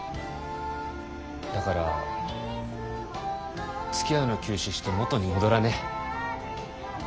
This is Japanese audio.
だからつきあうの休止して元に戻らね？